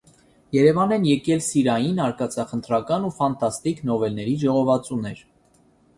Երևան են եկել սիրային, արկածախնդրական ու ֆանտաստիկ նովելների ժողովածուներ։